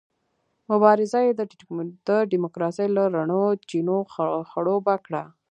مبارزه یې د ډیموکراسۍ له رڼو چینو خړوبه کړه.